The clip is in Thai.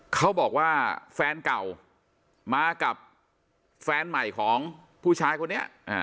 เขาบอกว่าแฟนเก่ามากับแฟนใหม่ของผู้ชายคนนี้